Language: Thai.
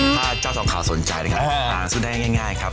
ถ้าเจ้าสองคราวสนใจนะครับอ่านสุดแห่งง่ายครับ